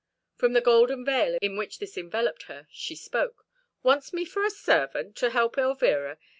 From the golden veil in which this enveloped her she spoke: "Wants me for a servant to help Elvira?